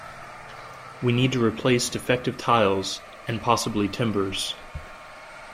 We need to replace defective tiles, and possibly timbers.